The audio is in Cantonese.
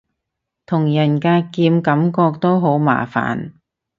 同人格劍感覺都好麻煩